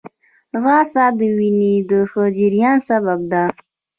ځغاسته د وینې د ښه جریان سبب ده